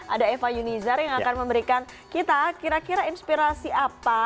ada eva yunizar yang akan memberikan kita kira kira inspirasi apa